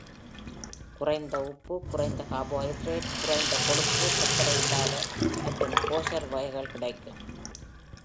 குறைந்த உப்பு, குறைந்த கார்போஹைட்ரேட், குறைந்த கொழுப்பு, சர்க்கரை இல்லாத மற்றும் கோஷர் வகைகள் கிடைக்கும்.